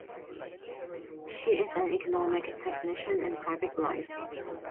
She is an economic technician in private life.